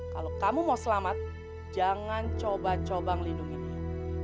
kalau kamu mau selamat jangan coba coba melindungi dia